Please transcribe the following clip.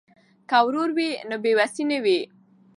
که ورور وي نو بې وسی نه وي.